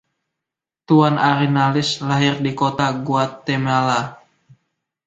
Tn. Arenales lahir di Kota Guatemala.